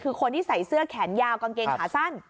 คือคนที่ใส่เสื้อแขนยาวกางเกงขาสั้น